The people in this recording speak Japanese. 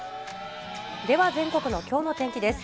では全国のきょうの天気です。